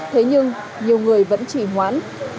thế nhưng nhiều người vẫn chỉ hoãn